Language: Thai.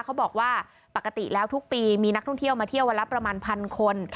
เขาบอกว่าปกติแล้วทุกปีมีนักท่องเที่ยวมาเที่ยววันละประมาณพันคน